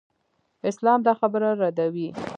اسلام دا خبره ردوي.